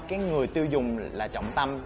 cái người tiêu dùng là trọng tâm